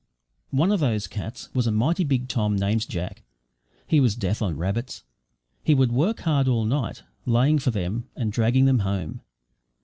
One of those cats was a mighty big Tom, named Jack. He was death on rabbits; he would work hard all night, laying for them and dragging them home.